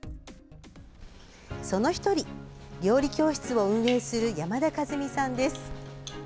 その１人、料理教室を運営する山田かずみさんです。